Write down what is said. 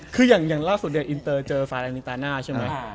คืออย่างล่าสุดเนี่ยอินเตอร์เจอฟาแรงนินตาน่าใช่ไหม